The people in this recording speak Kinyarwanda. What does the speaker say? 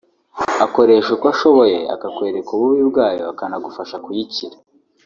akoresha uko ashoboye akakwereka ububi bwayo akanagufasha kuyikira